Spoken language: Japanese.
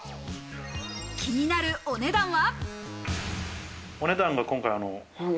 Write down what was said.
気になるお値段は？